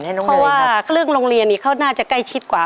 เพราะว่าเครื่องโรงเรียนนี้เขาน่าจะใกล้ชิดกว่า